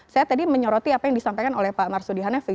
saya tadi menyoroti apa yang disampaikan oleh pak ammar sudi hanafi